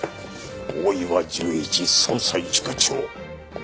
大岩純一捜査一課長。